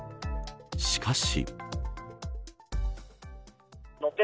しかし。